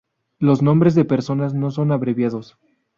Los nombres de personas no son abreviados.